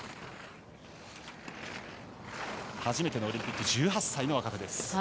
初めてのオリンピック１８歳の若手です。